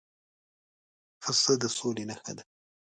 پسه د سولې نښه ده.